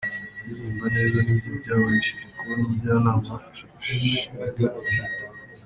Kuririmba neza nibyo byabahesheje kubona umujyanama, abafasha gushinga itsinda.